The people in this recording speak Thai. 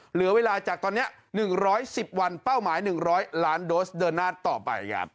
เหลือเวลาจากตอนนี้๑๑๐วันเป้าหมาย๑๐๐ล้านโดสเดินหน้าต่อไปครับ